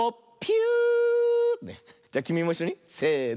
じゃきみもいっしょにせの。